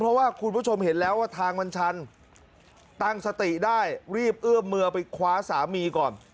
เพราะว่าคุณผู้ชมเห็นแล้วว่าทางมันชันตั้งสติได้รีบเอื้อมมือไปคว้าสามีก่อน